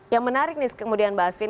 yang menarik nih kemudian mbak asvin